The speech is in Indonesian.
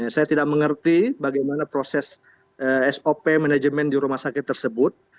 saya tidak mengerti bagaimana proses sop manajemen di rumah sakit tersebut